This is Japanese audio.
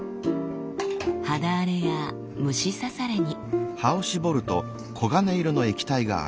肌荒れや虫刺されに。